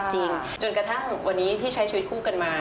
จนกระทั่งวันนี้ที่ใช้ชีวิตคู่กันมา